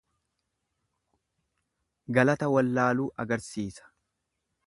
Galata wallaaluu agarsiisa.